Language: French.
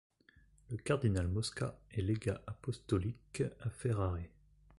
Le cardinal Mosca est légat apostolique à Ferrare.